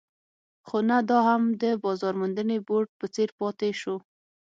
خو نه دا هم د بازار موندنې بورډ په څېر پاتې شو.